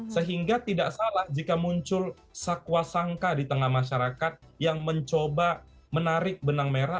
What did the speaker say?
sehingga tidak salah jika muncul sakwa sangka di tengah masyarakat yang mencoba menarik benang merah